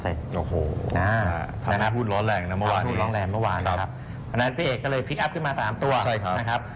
โอ้โหทำให้หุ้นร้อนแรงนะเมื่อวานนี้นะครับพอดังนั้นพี่เอกก็เลยพลิกอัพขึ้นมา๓ตัวนะครับ